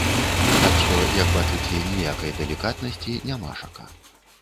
Так што, як бачыце, ніякай далікатнасці нямашака.